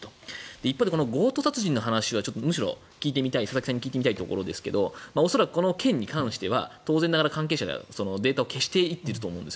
一方で強盗殺人の話は佐々木さんに聞いてみたいところですが恐らくこの件に関しては当然、関係者がデータを消していっていると思うんです。